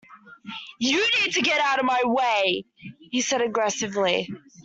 You need to get out of my way! he said aggressively